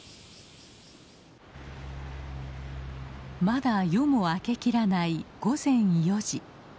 まだ夜も明けきらない午前４時。